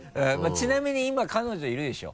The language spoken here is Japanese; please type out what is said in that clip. ちなみに今彼女いるでしょ？